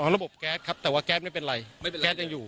อ๋อระบบแก๊สครับแต่ว่าแก๊สไม่เป็นไรไม่เป็นไรแก๊สยังอยู่